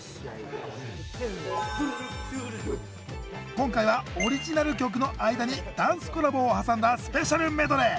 今回はオリジナル曲の間にダンスコラボを挟んだスペシャルメドレー！